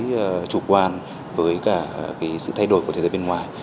cái chủ quan với cả cái sự thay đổi của thế giới bên ngoài